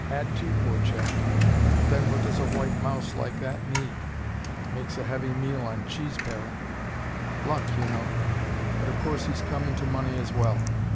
Had to, poor chap. But then what does a white mouse like that need? Makes a heavy meal on a cheese paring. Luck, you know but of course he's come into money as well.